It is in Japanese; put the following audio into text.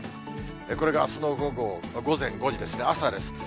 これがあすの午前５時ですね、朝です。